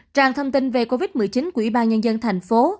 trang thông tin về covid một mươi chín của ybnd tp